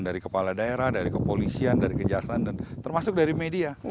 dari kepala daerah dari kepolisian dari kejaksaan dan termasuk dari media